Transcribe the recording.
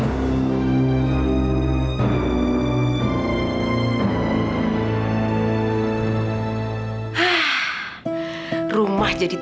lepas kita kesini ficar sama si wakil